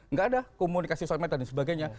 nggak ada komunikasi sosial media dan sebagainya